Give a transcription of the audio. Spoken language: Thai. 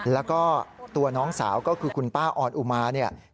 แล้วก็ตัวน้องสาวก็คือคุณป้าออนอุมาเนี่ย